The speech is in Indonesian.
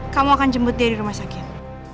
kamu akan jemput dia di rumah sakit